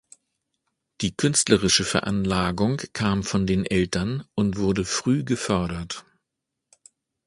Die künstlerische Veranlagung kam von den Eltern und wurde früh gefördert.